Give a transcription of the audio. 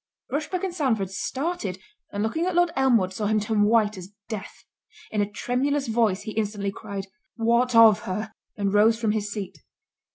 —— Rushbrook and Sandford started; and looking at Lord Elmwood, saw him turn white as death. In a tremulous voice he instantly cried, "What of her?" and rose from his seat.